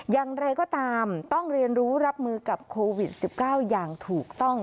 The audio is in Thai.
อย่างไรก็ตามต้องเรียนรู้รับมือกับโควิด๑๙อย่างถูกต้อง